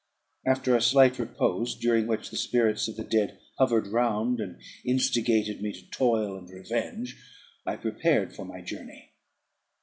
After a slight repose, during which the spirits of the dead hovered round, and instigated me to toil and revenge, I prepared for my journey.